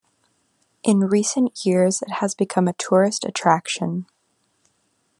In recent years it has become a tourist attraction.